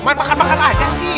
main makan makan aja sih